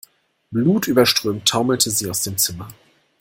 Blutüberströmt taumelte sie aus dem Zimmer.